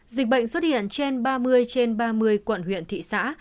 dịch bệnh xuất hiện trên ba mươi trên ba mươi quận huyện thị xã